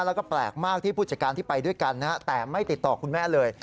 แล้วก็แปลกมากที่ผู้จัดการที่ไปด้วยกันแต่ไม่ติดต่อคุณแม่เลย